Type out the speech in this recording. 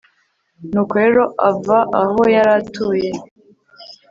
nuko rero ava aho yari atuye